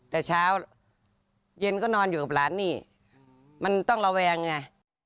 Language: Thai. แต่เช้าเย็นก็นอนอยู่กับหลานนี่มันต้องระแวงไง